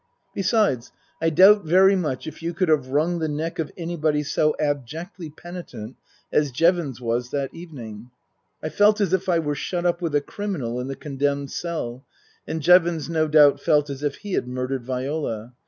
Besides I doubt very much if you could have wrung the neck of anybody so abjectly penitent as Jevons was that evening. I felt as if I were shut up with a criminal in the condemned cell, and Jevons no doubt felt as if he had murdered Viola.